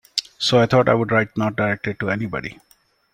So I thought I would write it not directed to anybody.